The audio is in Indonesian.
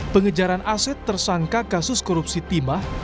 pengejaran aset tersangka kasus korupsi timah